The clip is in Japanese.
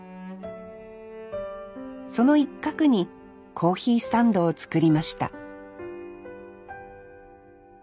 その一角にコーヒースタンドを作りました